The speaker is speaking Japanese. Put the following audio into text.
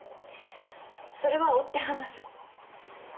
それは追って話す。